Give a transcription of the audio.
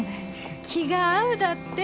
気が合うだって！